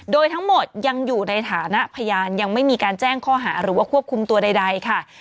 โดยทั้งหมดยังอยู่ในฐานะพยานยังไม่มีการแจ้งข้อหาหรือว่าควบคุมตัวใดค่ะ